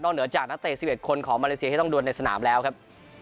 เหนือจากนักเตะ๑๑คนของมาเลเซียที่ต้องดวนในสนามแล้วครับ